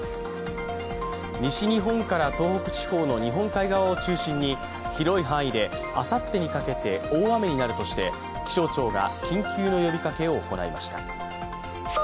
西日本から東北地方の日本海側を中心に広い範囲であさってにかけて大雨になるとして気象庁が緊急の呼びかけを行いました。